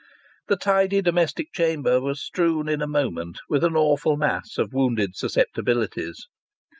The tidy domestic chamber was strewn in a moment with an awful mass of wounded susceptibilities.